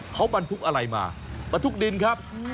เขาบรรทุกอะไรมาบรรทุกดินครับ